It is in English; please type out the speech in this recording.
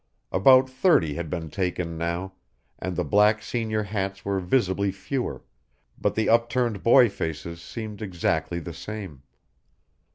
About thirty had been taken now, and the black senior hats were visibly fewer, but the upturned boy faces seemed exactly the same.